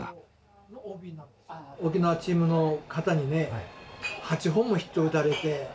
沖縄チームの方にね８本もヒットを打たれて。